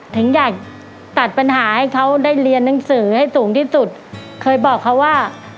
ถึงอยากตัดปัญหาให้เขาได้เรียนหนังสือให้สูงที่สุดเคยบอกเขาว่า